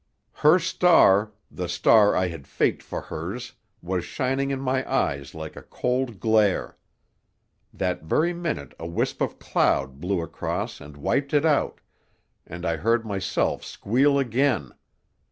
Her star, the star I had faked for hers, was shining in my eyes like a cold glare. That very minute a wisp of cloud blew across and wiped it out, and I heard myself squeal again.